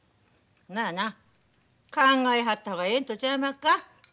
考えはった方がええんとちゃいまっか。